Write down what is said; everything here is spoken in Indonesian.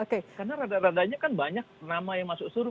karena rada radanya kan banyak nama yang masuk suruh